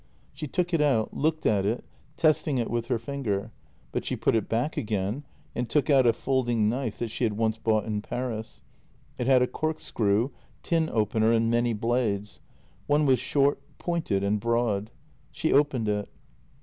She took it out, looked at it, testing it with her finger, but she put it back again and took out a folding knife that she had once bought in Paris. It had a corkscrew, tin opener, and many blades; one was short, pointed, and broad. She opened it.